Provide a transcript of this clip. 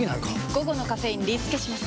午後のカフェインリスケします！